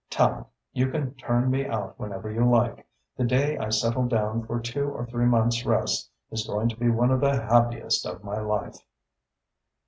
Tallente, you can turn me out whenever you like. The day I settle down for two or three months' rest is going to be one of the happiest of my life."